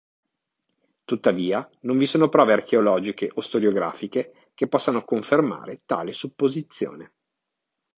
Tuttavia non vi sono prove archeologiche o storiografiche che possano confermare tale supposizione.